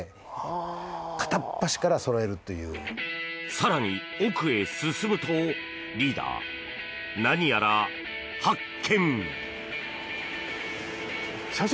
更に奥へ進むとリーダー、何やら発見！社長！